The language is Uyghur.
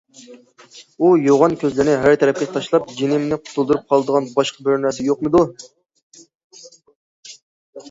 ئۇ يوغان كۆزلىرىنى ھەر تەرەپكە تاشلاپ، جېنىمنى قۇتۇلدۇرۇپ قالىدىغان باشقا بىرەر نەرسە يوقمىدۇ؟!